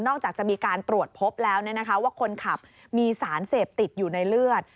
จากจะมีการตรวจพบแล้วว่าคนขับมีสารเสพติดอยู่ในเลือด